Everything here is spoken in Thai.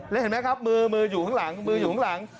แล้วเห็นไหมครับมือมืออยู่ข้างหลังมืออยู่ข้างหลัง